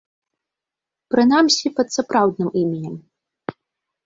Прынамсі, пад сапраўдным іменем.